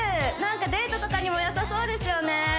デートとかにもよさそうですよね